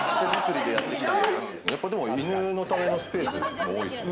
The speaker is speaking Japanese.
やっぱり、犬のためのスペースも多いですね。